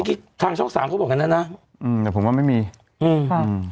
เมื่อกี้ทางช่องสามเขาบอกแล้วนะอืมแต่ผมว่าไม่มีอืมค่ะ